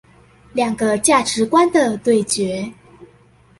兩個價值觀的對決